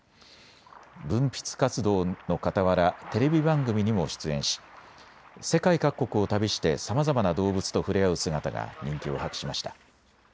文筆活動のかたわらテレビ番組にも出演し世界各国を旅してさまざまな動物と触れ合う姿が人気を博しました。